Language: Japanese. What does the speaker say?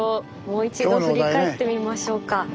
もう一度振り返ってみましょうか。